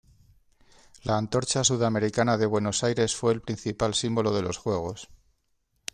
La antorcha sudamericana de Buenos Aires fue el principal símbolo de los juegos.